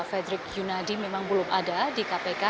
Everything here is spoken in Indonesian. fredrik yunadi memang belum ada di kpk